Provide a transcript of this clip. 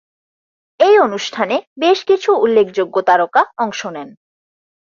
এই অনুষ্ঠানে বেশ কিছু উল্লেখযোগ্য তারকা অংশ নেন।